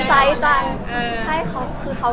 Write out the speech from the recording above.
แล้วสาวจะเจอมา